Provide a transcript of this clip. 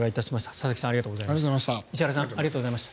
佐々木さん、石原さんありがとうございました。